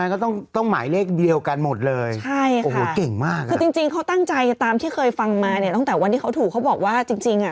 เอาเลขเดียวกันทั้ง๖ตัวอันนี้นะครับใช่